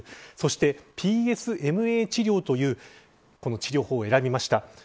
そしてＰＳＭＡ治療という治療法を選びました。